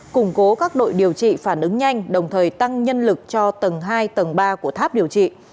củng cố các đội điều trị phản ứng nhanh đồng thời tăng nhân lực cho tầng hai tầng ba của tháp điều trị